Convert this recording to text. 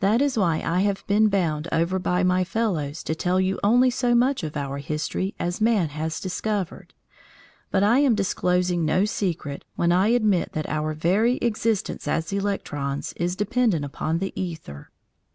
That is why I have been bound over by my fellows to tell you only so much of our history as man has discovered. But I am disclosing no secret when I admit that our very existence as electrons is dependent upon the æther.